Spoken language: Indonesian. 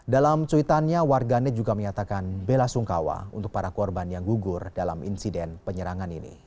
dalam cuitannya warganet juga menyatakan bela sungkawa untuk para korban yang gugur dalam insiden penyerangan ini